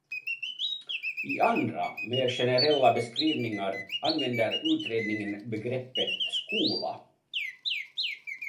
I andra, mer generella beskrivningar, använder utredningen begreppet skola.